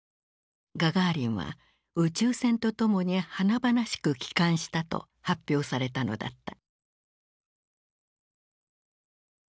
ガガーリンは宇宙船とともに華々しく帰還したと発表されたのだった。